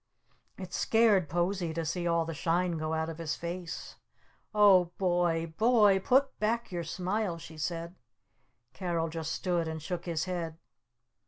It scared Posie to see all the shine go out of his face. "Oh, Boy Boy, put back your smile!" she said. Carol just stood and shook his head.